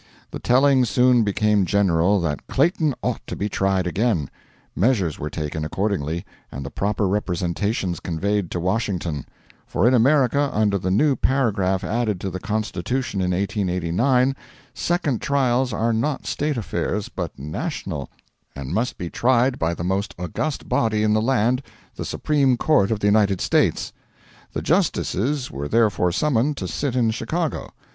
The telling soon became general that Clayton ought to be tried again. Measures were taken accordingly, and the proper representations conveyed to Washington; for in America under the new paragraph added to the Constitution in 1889, second trials are not State affairs, but national, and must be tried by the most august body in the land the Supreme Court of the United States. The justices were therefore summoned to sit in Chicago.